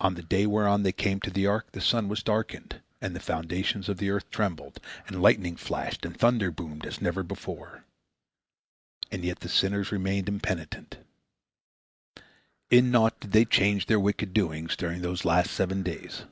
On the day whereon they came to the ark, the sun was darkened, and the foundations of the earth trembled, and lightning flashed, and the thunder boomed, as never before. And yet the sinners remained impenitent. In naught did they change their wicked doings during those last seven days.